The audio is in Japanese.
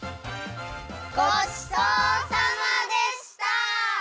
ごちそうさまでした！